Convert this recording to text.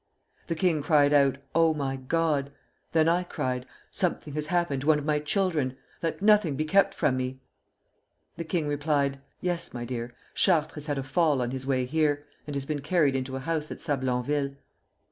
The king cried out: 'Oh, my God!' Then I cried: 'Something has happened to one of my children! Let nothing be kept from me!' The king replied: 'Yes, my dear; Chartres has had a fall on his way here, and has been carried into a house at Sablonville.'